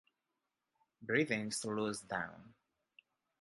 Breathing slows down.